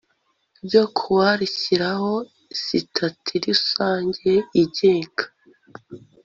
ryo ku wa rishyiraho Sitati Rusange igenga